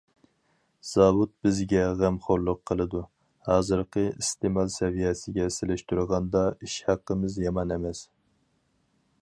زاۋۇت بىزگە غەمخورلۇق قىلىدۇ، ھازىرقى ئىستېمال سەۋىيەسىگە سېلىشتۇرغاندا ئىش ھەققىمىز يامان ئەمەس.